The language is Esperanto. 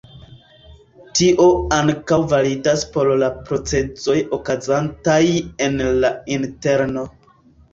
Tio ankaŭ validas por la procesoj okazantaj en la interno.